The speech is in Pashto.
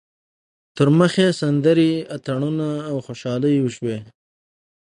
تر مخ یې سندرې، اتڼونه او خوشحالۍ وشوې.